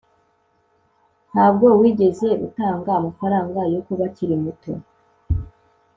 Ntabwo wigeze utanga amafaranga yo kuba akiri muto